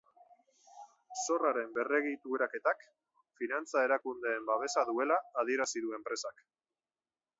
Zorraren berregituraketak finantza erakundeen babesa duela adierazi du enpresak.